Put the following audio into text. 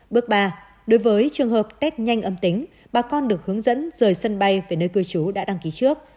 bước ba đối với trường hợp test nhanh âm tính bà con được hướng dẫn rời sân bay về nơi cư trú đã đăng ký trước